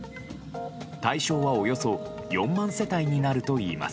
対象はおよそ４万世帯になるといいます。